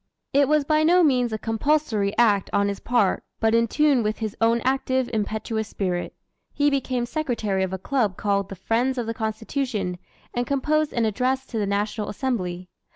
It was by no means a compulsory act on his part, but in tune with his own active, impetuous spirit. He became secretary of a club called the "Friends of the Constitution," and composed an Address to the National Assembly.